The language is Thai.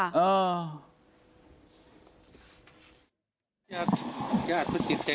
อาว